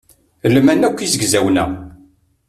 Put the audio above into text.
Lman akk yizegzawen-a.